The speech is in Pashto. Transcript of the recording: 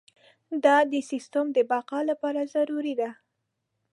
دا د سیستم د بقا لپاره ضروري ده.